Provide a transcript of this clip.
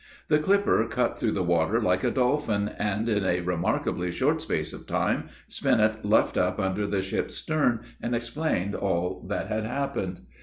The clipper cut through the water like a dolphin, and, in a remarkably short space of time, Spinnet luffed up under the ship's stern, and explained all that had happened.